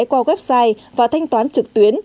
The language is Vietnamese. qua website và thanh toán trực tuyến